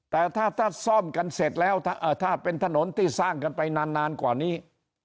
แต่ถ้าซ่อมกันเสร็จแล้วถ้าเป็นถนนที่สร้างกันไปนานกว่านี้